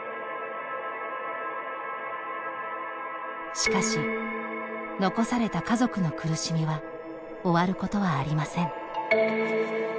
しかし、残された家族の苦しみは終わることはありません。